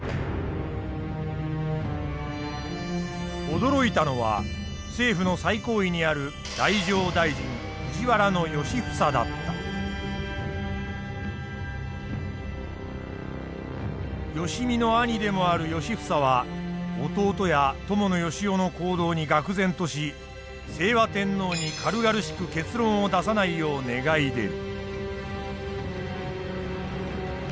驚いたのは政府の最高位にある良相の兄でもある良房は弟や伴善男の行動に愕然とし清和天皇に軽々しく結論を出さないよう願い出る。